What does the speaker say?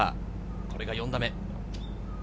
これが４打目。